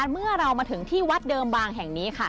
เมื่อเรามาถึงที่วัดเดิมบางแห่งนี้ค่ะ